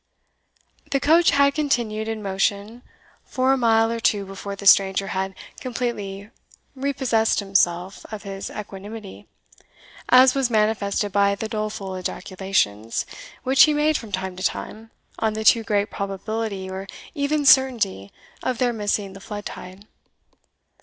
The coach had continued in motion for a mile or two before the stranger had completely repossessed himself of his equanimity, as was manifested by the doleful ejaculations, which he made from time to time, on the too great probability, or even certainty, of their missing the flood tide.